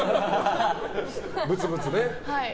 ブツブツね。